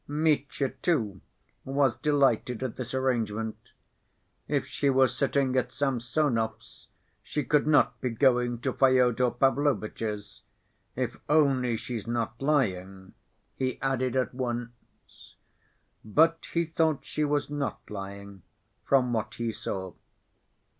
Mitya, too, was delighted at this arrangement. If she was sitting at Samsonov's she could not be going to Fyodor Pavlovitch's, "if only she's not lying," he added at once. But he thought she was not lying from what he saw.